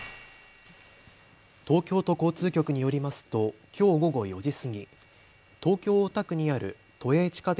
東京都交通局によりますときょう午後４時過ぎ、東京大田区にある都営地下鉄